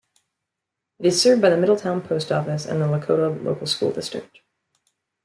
It is served by the Middletown post office and the Lakota Local School District.